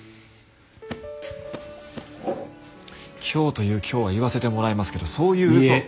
今日という今日は言わせてもらいますけどそういう嘘は。